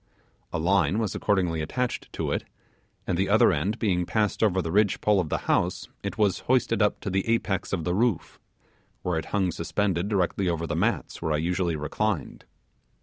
A line was accordingly attached to it, and the other end being passed over the ridge pole of the house, it was hoisted up to the apex of the roof, where it hung suspended directly over the mats where I usually reclined.